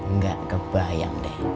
nggak kebayang deh